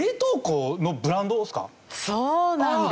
そうなんです。